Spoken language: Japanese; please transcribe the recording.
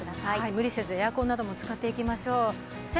無理せずエアコンなども使っていきましょう